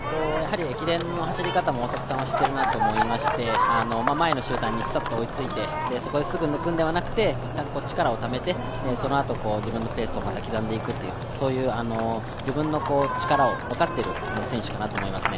駅伝の走り方も大迫さんは知っているなと思いまして前の集団にサッと追いついて、そこですぐ抜くのではなくて、力をためてそのあと自分のペースをまた刻んでいくそういう自分の力を分かっている選手かなと思いますね。